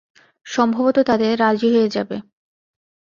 সম্ভবত তাতে রাজি হয়ে যাবে।